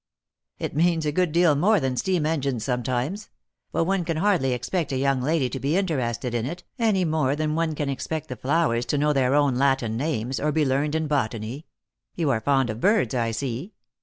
" It means a good deal more than steam engines sometimes. But one can hardly expect a young lady to be interested in it, any more than one can expect the flowers to know their own Latin names, or be learned in botany. You are fond of birds, I see."